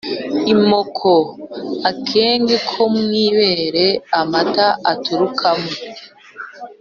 imoko: akenge ko mu ibere amata aturukamo